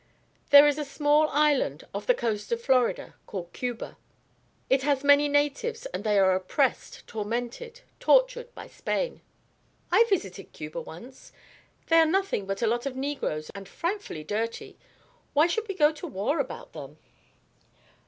There is a small island off the coast of Florida called Cuba. It has many natives, and they are oppressed, tormented, tortured by Spain." "I visited Cuba once. They are nothing but a lot of negroes and frightfully dirty. Why should we go to war about them?"